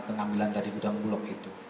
beras yang ditimbun adalah beras yang rusak